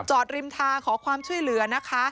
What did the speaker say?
ริมทางขอความช่วยเหลือนะคะ